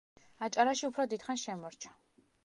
აჭარაში უფრო დიდხანს შემორჩა.